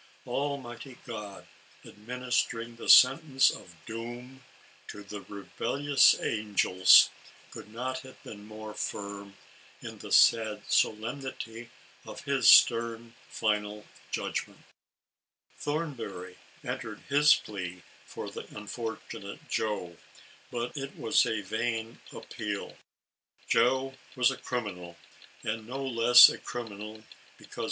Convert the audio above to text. Almighty God, administering the sentence of doom to the rebellious angels, could not have been more firm in the sad solemnity of his stern, final judg ment. Thornbury entered his plea for the unfortunate Joe, but it was a vain, appeal. Joe was a criminal, and no less a criminal, because ALICE ; OR, THE WAGES GE SIN.